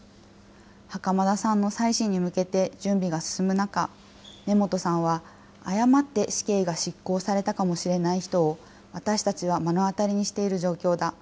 袴田さんの再審に向けて準備が進む中、根本さんは誤って死刑が執行されたかもしれない人を私たちは目の当たりにしている状況だ。